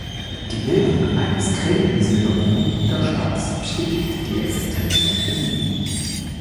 Die Bildung eines cremigen Silberbromidniederschlags bestätigt die Existenz von Bromiden.